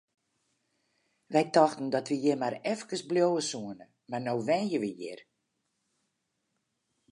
Wy tochten dat we hjir mar efkes bliuwe soene, mar no wenje we hjir!